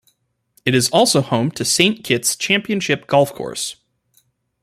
It is also home to Saint Kitts' championship golf course.